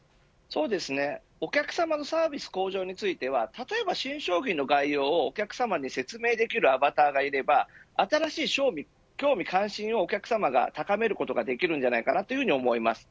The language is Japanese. お客様のサービス向上については例えば新商品の概要をお客さまに説明できるアバターがいれば新しい興味、関心をお客さまが高めることができると思います。